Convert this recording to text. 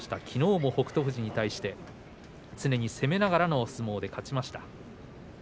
きのうも北勝富士に対して常に攻めながらの相撲で勝ちました。